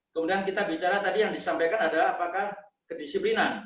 kemudian kita bicara tadi yang disampaikan adalah apakah kedisiplinan